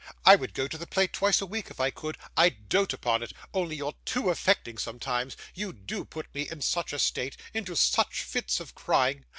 I would go to the play, twice a week if I could: I dote upon it only you're too affecting sometimes. You do put me in such a state into such fits of crying!